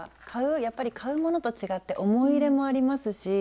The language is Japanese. やっぱり買うものと違って思い入れもありますし